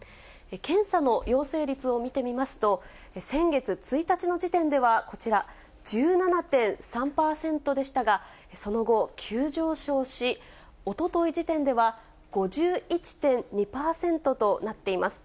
検査の陽性率を見てみますと、先月１日の時点ではこちら、１７．３％でしたが、その後、急上昇し、おととい時点では５１．２％となっています。